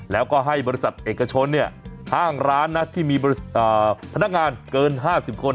แล้วก็ให้บริษัทเอกชนห้างร้านนะที่มีพนักงานเกิน๕๐คน